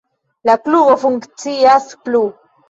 La klubo funkcias plu.